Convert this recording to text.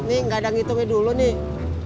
nih gak ada yang hitungnya dulu nih